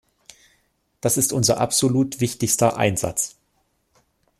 Das ist unser absolut wichtigster Einsatz.